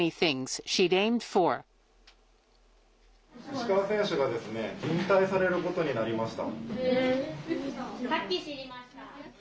石川選手が引退されることになりました。